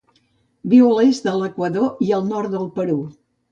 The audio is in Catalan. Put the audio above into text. Viu a l'est de l'Equador i el nord del Perú.